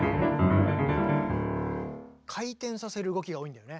回転させる動きが多いんだよね。